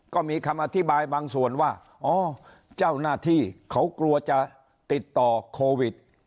ก็มีคำอธิบายบางส่วนว่าอ๋อเจ้าหน้าที่เขากลัวจะติดต่อโควิด